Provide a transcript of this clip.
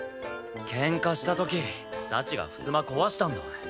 ケンカした時幸がふすま壊したんだ。